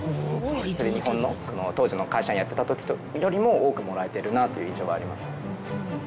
普通に日本の当時の会社員やってた時よりも多くもらえてるなという印象があります。